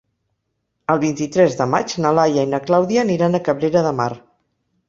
El vint-i-tres de maig na Laia i na Clàudia aniran a Cabrera de Mar.